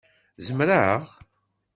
Zemreɣ?